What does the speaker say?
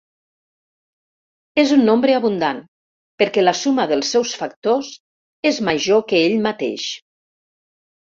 És un nombre abundant perquè la suma dels seus factors és major que ell mateix.